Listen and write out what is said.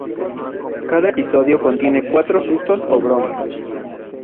Cada episodio contiene cuatro sustos o bromas.